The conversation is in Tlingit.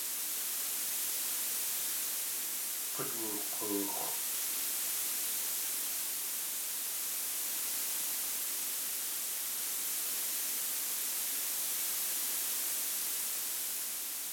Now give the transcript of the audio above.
K̲ut wook̲oox̲.